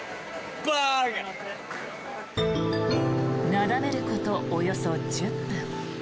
なだめることおよそ１０分。